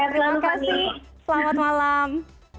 terima kasih selamat malam